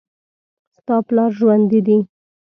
ستا پلار ژوندي دي